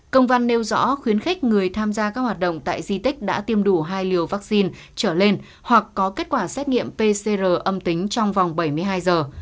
công văn nêu rõ khuyến khích người tham gia các hoạt động tại di tích đã tiêm đủ hai liều vaccine trở lên hoặc có kết quả xét nghiệm pcr âm tính trong vòng bảy mươi hai giờ